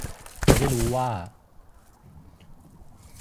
จะได้รู้ว่า